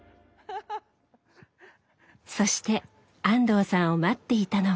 そして安藤さんを待っていたのは。